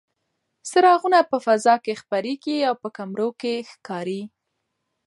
څراغونه په فضا کې خپرېږي او په کمرو کې ښکاري.